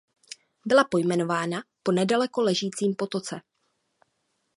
Byla pojmenována po nedaleko ležícím potoce.